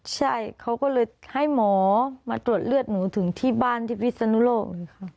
ใช่เขาก็เลยให้หมอมาตรวจเลือดหนูถึงที่บ้านที่พิศนุโลก